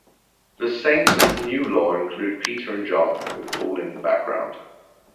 The saints of the New Law include Peter and John, with Paul in background.